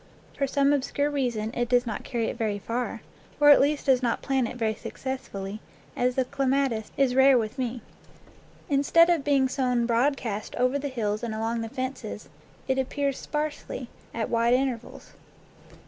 For some obscure reason it does not carry it very far, or at least does not plant it very successfully, as the clematis is rare with me. Instead of being sown broadcast over the hills and along the fences, it appears sparsely, at wide intervals.